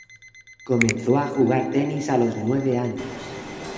Comenzó a jugar tenis a los nueve años.